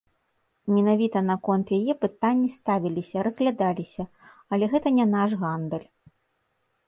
Менавіта наконт яе пытанні ставіліся, разглядаліся, але гэта не наш гандаль.